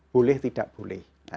boleh tidak boleh